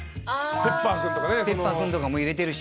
ペッパーくんとかも入れてるし。